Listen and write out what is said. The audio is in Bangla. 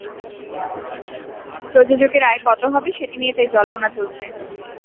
প্রযোজকের আয় কত হবে, সেটি নিয়ে তাই জল্পনা চলছে।